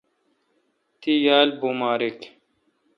تی یال بومارک۔